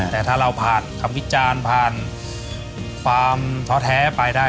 แต่ถ้าเราผ่านคำวิจารณ์ผ่านความท้อแท้ไปได้